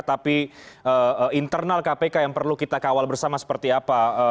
tapi internal kpk yang perlu kita kawal bersama seperti apa